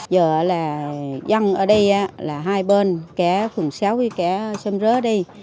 giờ là dân ở đây là hai bên kẻ phường sáu với kẻ xâm rớt đi